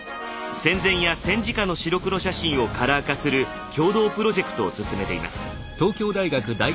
戦前や戦時下の白黒写真をカラー化する共同プロジェクトを進めています。